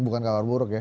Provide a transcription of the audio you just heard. bukan kabar buruk ya